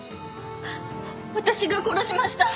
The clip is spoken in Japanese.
私が殺しました。